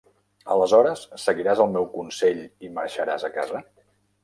Aleshores seguiràs el meu consell i marxaràs a casa?